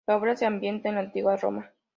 La obra se ambienta en la Antigua Roma.